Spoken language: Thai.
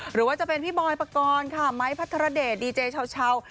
หรือว่าจะเป็นพี่บอยปกรณ์ค่ะไม้พัทรเดชดีเจเช้า